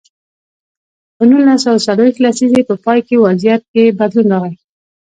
په نولس سوه څلویښت لسیزې په پای کې وضعیت کې بدلون راغی.